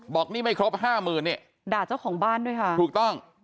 บอกนี่ไม่ครบ๕๐๐๐๐เนี่ยด่าเจ้าของบ้านด้วยค่ะถูกต้อง